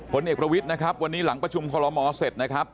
เอกประวิทย์นะครับวันนี้หลังประชุมคอลโมเสร็จนะครับ